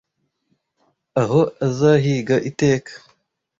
Aho azahiga iteka